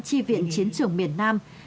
chi viện chiến trường miền nam